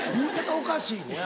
おかしいな。